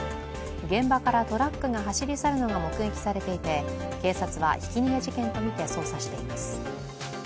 現場からトラックが走り去るのが目撃されていて警察はひき逃げ事件とみて捜査しています。